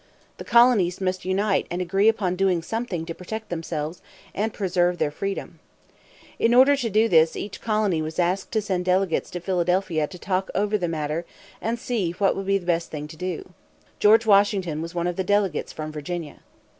The colonies must unite and agree upon doing something to protect themselves and preserve their freedom. In order to do this each colony was asked to send delegates to Philadelphia to talk over the matter and see what would be the best thing to do. George Washington was one of the delegates from Virginia.